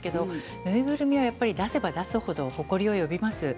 縫いぐるみは出せば出す程ほこりを呼びます。